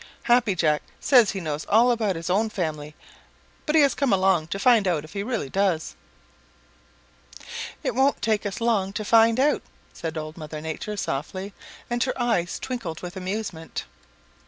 "Happy Jack says he knows all about his own family, but he has come along to find out if he really does." "It won't take us long to find out," said Old Mother Nature softly and her eyes twinkled with amusement.